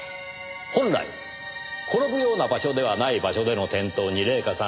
本来転ぶような場所ではない場所での転倒に礼夏さん